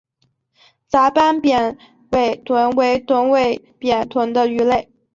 杂斑扁尾鲀为鲀科扁尾鲀属的鱼类。